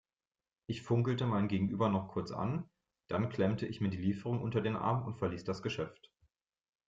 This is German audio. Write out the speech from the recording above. Ich funkelte mein Gegenüber noch kurz an, dann klemmte ich mir die Lieferung unter den Arm und verließ das Geschäft.